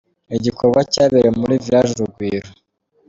Ni igikorwa cyabereye muri Village Urugwiro.